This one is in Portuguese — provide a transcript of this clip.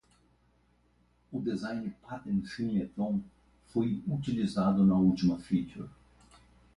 O design pattern Singleton foi utilizado na última feature.